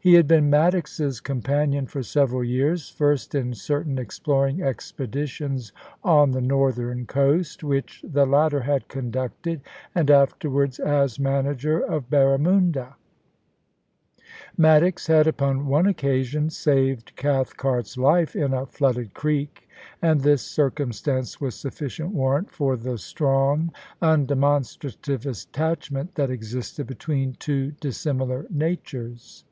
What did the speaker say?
He had been Maddox's 64 POLICY AND PASSION. companion for several years, first in certain exploring expedi tions on the northern coast which the latter had conducted, and afterwards as manager of Barramunda. Maddox had upon one occasion saved Cathcart's life in a flooded creek, and this circumstance was sufficient warrant for the strong, undemonstrative attachment that existed between two dissimilar natures.